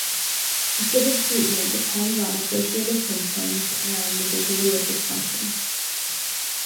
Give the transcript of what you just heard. Specific treatment depends on associated symptoms and the degree of dysfunction.